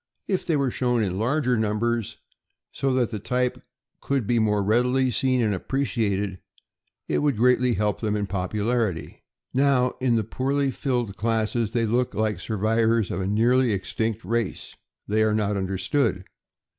If they were shown in larger numbers, so that the type could be more readily seen and appreciated, it would greatly help them in popularity. Now, in the poorly filled classes, they look like survivors of a nearly extinct race. They are not understood.